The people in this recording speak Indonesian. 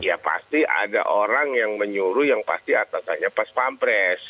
ya pasti ada orang yang menyuruh yang pasti atasannya pas pampres